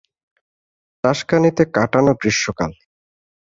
টাস্কানিতে কাটানো গ্রীষ্মকাল।